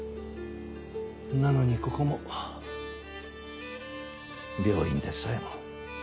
なのにここも病院でさえも。